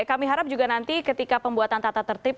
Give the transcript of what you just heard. kami harap juga nanti ketika pembuatan tata tertib